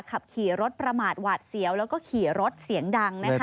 ขับขี่รถประมาทหวาดเสียวแล้วก็ขี่รถเสียงดังนะคะ